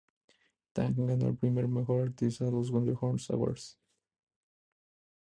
Tang ganó el premio al Mejor artista en los Golden Horse Awards.